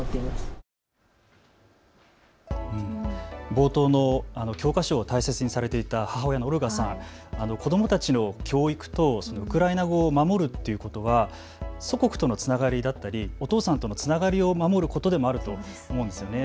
冒頭の教科書を大切にされていた母親のオルガさん、子どもたちの教育とウクライナ語を守るっていうことは祖国とのつながりだったりお父さんとのつながりを守ることでもあると思うんですよね。